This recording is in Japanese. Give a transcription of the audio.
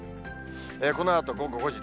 このあと午後５時。